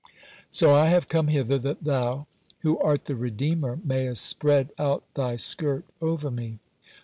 (59) So I have come hither that thou, who art the redeemer, mayest spread out thy skirt over me."